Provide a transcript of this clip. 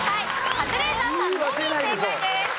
カズレーザーさんのみ正解です。